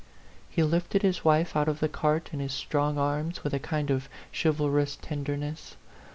He lifted his wife out of the cart in his strong arms with a kind of chivalrous ten derness.